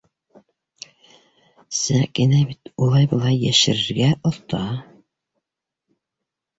Сәкинә бит улай-былай йәшерергә оҫта!